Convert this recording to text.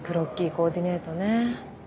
コーディネートね。